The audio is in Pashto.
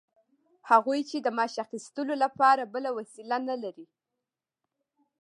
هغوی چې د معاش اخیستلو لپاره بله وسیله نلري